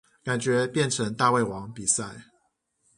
感覺變成大胃王比賽